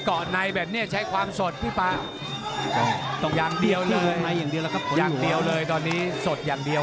กะในนั่นแบบเนี่ยใช้ความสดอย่างเดียวเลยจงสดอย่างเดียว